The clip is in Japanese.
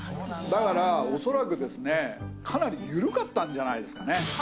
だからおそらくですねかなり緩かったんじゃないですかね。